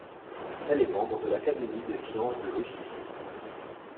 Elle est membre de l'Académie des sciences de Russie.